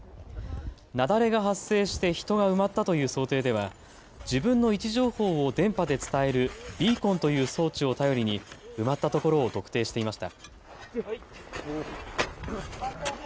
雪崩が発生して人が埋まったという想定では自分の位置情報を電波で伝えるビーコンという装置を頼りに埋まったところを特定していました。